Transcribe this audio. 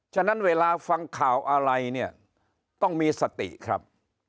ฉะนั้นเวลาฟังข่าวอะไรเนี่ยต้องมีสติครับ